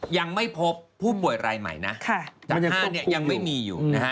ยังไม่พบผู้ป่วยรายใหม่นะจาก๕เนี่ยยังไม่มีอยู่นะฮะ